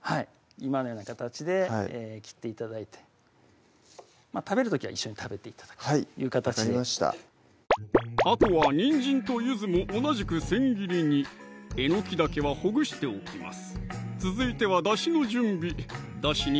今のような形で切って頂いて食べる時は一緒に食べて頂くという形であとはにんじんと柚子も同じくせん切りにえのきだけはほぐしておきます